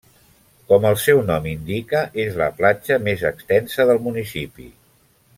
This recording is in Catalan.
Com el seu nom indica, és la platja més extensa del municipi.